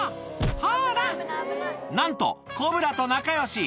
ほら、なんと、コブラと仲よし。